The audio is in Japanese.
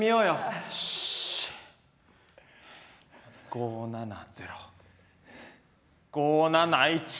５７０５７１。